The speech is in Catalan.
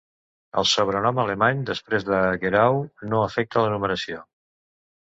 El sobrenom Alemany després de Guerau no afecta la numeració.